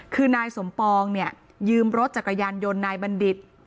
คือนายสมปองเนี่ยยืมรถจักรยานยนต์นายบัณฑิต